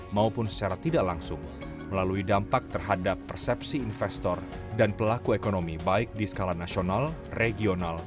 maupun secara tidak langsung melalui dampak terhadap persepsi investor dan pelaku ekonomi baik di skala nasional regional